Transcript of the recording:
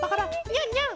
ニャンニャン！